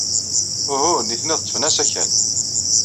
Uhu, nitni ad ḍḍfen asakal.